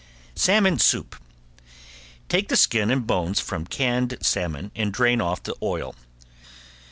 ~SALMON SOUP~ Take the skin and bones from canned salmon and drain off the oil.